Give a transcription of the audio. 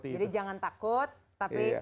jadi jangan takut tapi